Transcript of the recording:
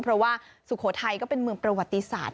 เพราะว่าสุโขทัยก็เป็นเมืองประวัติศาสตร์